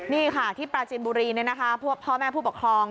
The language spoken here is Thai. นี่ค่ะที่ปราจินบุรีพ่อแม่ผู้ปกครอง